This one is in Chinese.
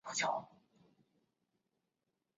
永元四年去世。